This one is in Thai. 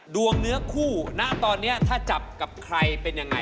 เนื้อคู่ณตอนนี้ถ้าจับกับใครเป็นยังไง